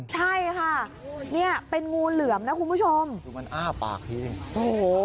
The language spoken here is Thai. ใช่ค่ะเนี่ยเป็นงูเหลือมนะคุณผู้ชมคือมันอ้าปากทีจริงโอ้โห